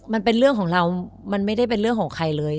มันเป็นเรื่องของเรามันไม่ได้เป็นเรื่องของใครเลย